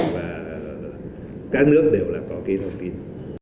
và các nước đều là có cái đồng tin